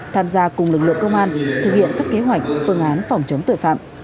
tham gia cùng lực lượng công an thực hiện các kế hoạch phương án phòng chống tội phạm